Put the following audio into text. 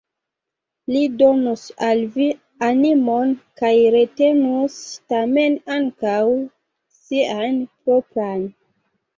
Li donus al vi animon kaj retenus tamen ankaŭ sian propran.